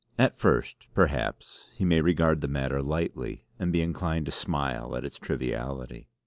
At first, perhaps, he may regard the matter lightly and be inclined to smile at its triviality.